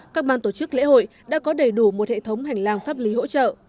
các ban tổ chức lễ hội đã có đầy đủ một hệ thống hành lang pháp lý hỗ trợ